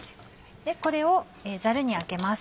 これをザルにあけます。